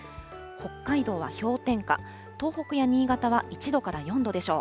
北海道は氷点下、東北や新潟は１度から４度でしょう。